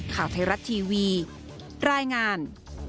ข่าวไทยรัฐทีวีรายงาน